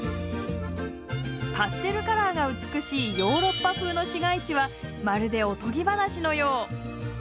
パステルカラーが美しいヨーロッパ風の市街地はまるでおとぎ話のよう。